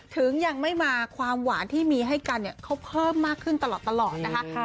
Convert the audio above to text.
ถึงยังไม่มาความหวานที่มีให้กันเนี่ยเขาเพิ่มมากขึ้นตลอดนะคะ